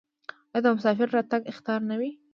آیا د مسافر راتګ اختر نه وي؟